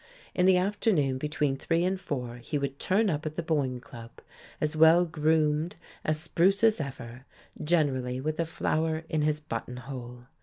In the afternoon between three and four he would turn up at the Boyne Club, as well groomed, as spruce as ever, generally with a flower in his buttonhole.